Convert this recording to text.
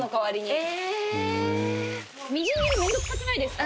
みじん切り面倒くさくないですか？